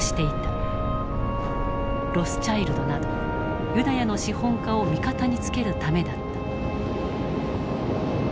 ロスチャイルドなどユダヤの資本家を味方につけるためだった。